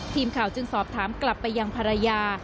ทีมข่าวจึงสอบถามกลับไปยังภรรยา